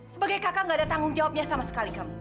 sebagai kakak gak ada tanggung jawabnya sama sekali kamu